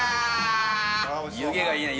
湯気がいいね